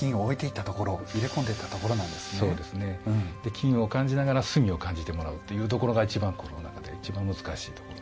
金を感じながら墨を感じてもらうっていうところが一番この中で一番難しいところ。